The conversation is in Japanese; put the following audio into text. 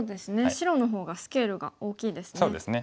白の方がスケールが大きいですね。